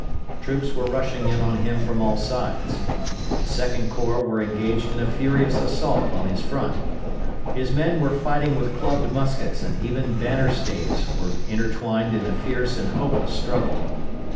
Troops were rushing in on him from all sides. The Second Corps were engaged in a furious assault on his front. His men were fighting with clubbed muskets, and even banner staves were intertwined in a fierce and hopeless struggle.